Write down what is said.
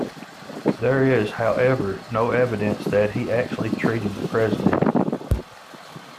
There is, however, no evidence that he actually treated the President.